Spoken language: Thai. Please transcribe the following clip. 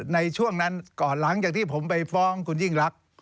ในช่วงนั้นก่อนหลังจากที่ผมไปฟ้องคุณยิ่งรัก